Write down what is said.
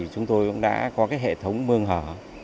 chúng tôi cũng đã có hệ thống mương hở